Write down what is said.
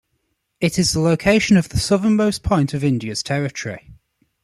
It is the location of the southernmost point of India's territory.